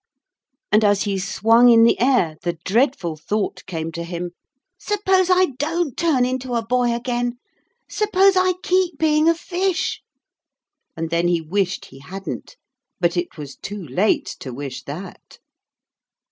And as he swung in the air the dreadful thought came to him, 'Suppose I don't turn into a boy again? Suppose I keep being a fish?' And then he wished he hadn't. But it was too late to wish that.